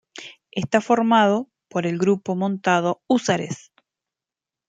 Está formado por el Grupo Montado "Húsares".